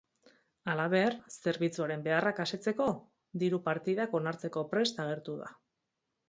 Halaber, zerbitzuaren beharrak asetzeko, diru-partidak onartzeko prest agertu da.